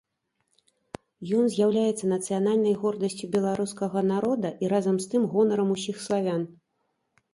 Ён з'яўляецца нацыянальнай гордасцю беларускага народа і разам з тым гонарам ўсіх славян.